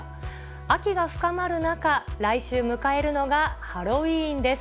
秋が深まる中、来週迎えるのがハロウィーンです。